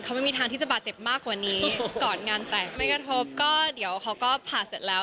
เขาไม่มีทางที่จะบาดเจ็บมากกว่านี้ก่อนงานแต่งไม่กระทบก็เดี๋ยวเขาก็ผ่าเสร็จแล้ว